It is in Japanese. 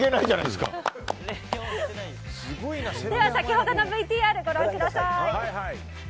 では、先ほどのＶＴＲをご覧ください。